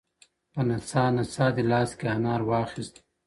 په نڅا نڅا دې لاس کې انار واخیست